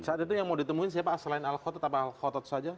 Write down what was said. saat itu yang mau ditemui siapa selain alkhotot atau alkhotot saja